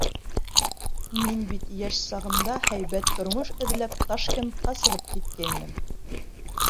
Мин бит йәш сағымда һәйбәт тормош эҙләп Ташкентҡа сығып киткәйнем.